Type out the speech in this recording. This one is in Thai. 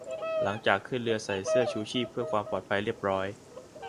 หลังจากขึ้นเรือใส่เสื้อชูชีพเพื่อความปลอดภัยเรียบร้อย